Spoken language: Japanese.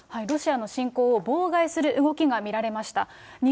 ロシアの侵攻を妨害する動きが見られました。